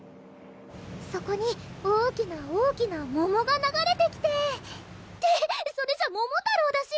そこに大きな大きな桃が流れてきてってそれじゃ桃太郎だし！